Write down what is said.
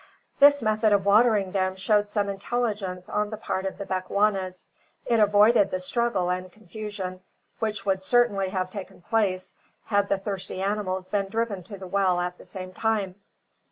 This method of watering them showed some intelligence on the part of the Bechuanas. It avoided the struggle and confusion which would certainly have taken place, had the thirsty animals been driven to the well at the same time.